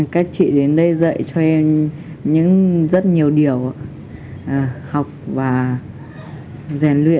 các chị đến đây dạy cho em rất nhiều điều học và rèn luyện